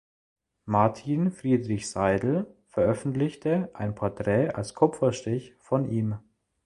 Martin Friedrich Seidel veröffentlichte ein Porträt als Kupferstich von ihm.